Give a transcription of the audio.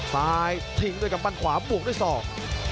ซ้ายทิ้งด้วยกับบ้านขวาบวกด้วยสอง